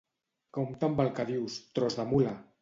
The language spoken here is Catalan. Compte amb el que dius, tros de mula!